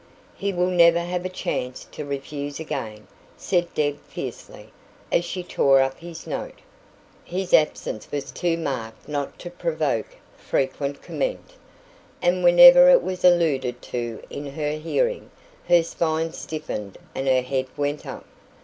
"He will never have a chance to refuse again," said Deb fiercely, as she tore up his note. His absence was too marked not to provoke frequent comment, and whenever it was alluded to in her hearing, her spine stiffened and her head went up.